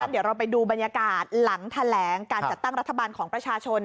เดี๋ยวเราไปดูบรรยากาศหลังแถลงการจัดตั้งรัฐบาลของประชาชน